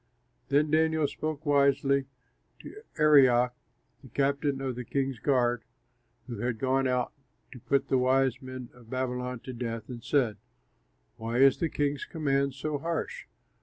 Then Daniel spoke wisely, to Arioch, the captain of the king's guard, who had gone out to put the wise men of Babylon to death, and said, "Why is the king's command so harsh?"